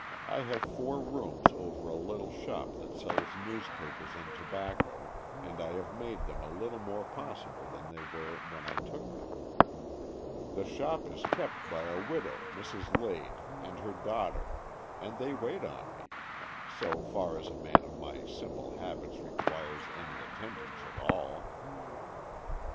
I have four rooms over a little shop that sells news papers and tobacco, and I have made them a little more possible than they were when I took them. The shop is kept by a widow, Mrs. Lade, and her daughter, and they wait on me — so far as a man of my simple habits requires any attendance at all."